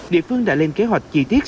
địa phương đã lên kế hoạch chi tiết